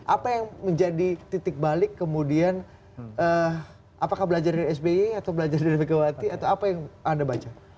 apa yang menjadi titik balik kemudian apakah belajar dari sby atau belajar dari megawati atau apa yang anda baca